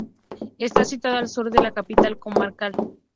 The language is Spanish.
Está situado al sur de la capital comarcal.